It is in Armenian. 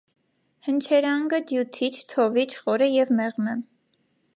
Հնչերանգը դյութիչ, թովիչ, խորը և մեղմ է։